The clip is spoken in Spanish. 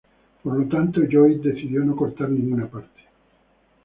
Por lo tanto Lloyd decidió no cortar ninguna parte.